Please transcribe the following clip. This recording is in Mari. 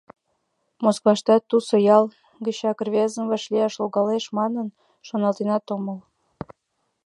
Маскаваштат тусо ял гычак рвезым вашлияш логалеш манын, шоналтенат омыл.